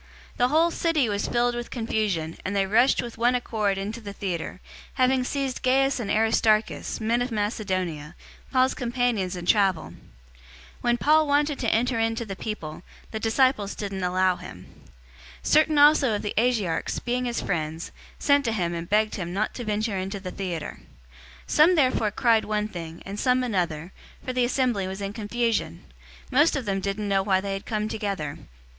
019:029 The whole city was filled with confusion, and they rushed with one accord into the theater, having seized Gaius and Aristarchus, men of Macedonia, Paul's companions in travel. 019:030 When Paul wanted to enter in to the people, the disciples didn't allow him. 019:031 Certain also of the Asiarchs, being his friends, sent to him and begged him not to venture into the theater. 019:032 Some therefore cried one thing, and some another, for the assembly was in confusion. Most of them didn't know why they had come together.